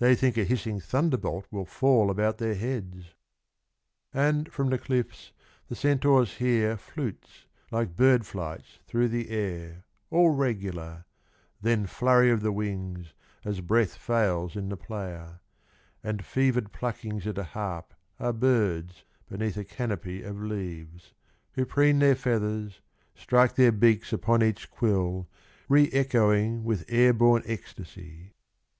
They think a hissing thunderbolt will fall about their heads. And from the cliffs the centaurs hear Flutes like bird flights through the air All regular, then flurry of the wings As breath fails in the player — And fevered pluckings at a harp Are birds beneath a canopy of leaves Who preen their feathers, strike their beaks Upon each quill, re echoing With air born ecstasy.